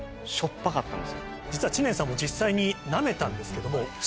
実は知念さんも実際になめたんですけども。